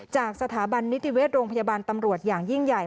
จากสถาบันนิติเวชโรงพยาบาลตำรวจอย่างยิ่งใหญ่